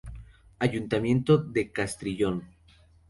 Ayuntamiento de Castrillón.